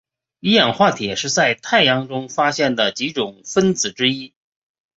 一氢化铁是在太阳中发现的几种分子之一。